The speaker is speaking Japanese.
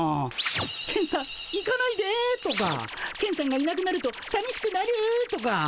「ケンさん行かないで」とか「ケンさんがいなくなるとさみしくなる」とか。